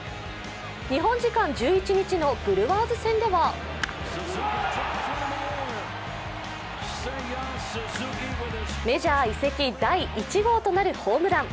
日本時間１１日のブルワーズ戦ではメジャー移籍第１号となるホームラン。